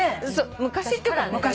昔っていうか。